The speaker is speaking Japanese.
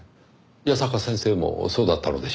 矢坂先生もそうだったのでしょうか？